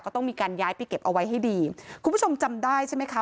ต้องมีการย้ายไปเก็บเอาไว้ให้ดีคุณผู้ชมจำได้ใช่ไหมคะ